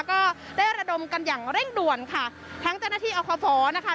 ก็ได้ระดมกันอย่างเร่งด่วนค่ะทั้งเจ้าหน้าที่อคศนะคะ